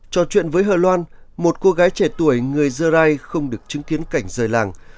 trò chuyện với hờ loan một cô gái trẻ tuổi người dơ rai không được chứng kiến cảnh rời làng